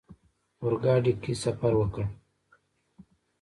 اورګاډي کې سفر وکړ.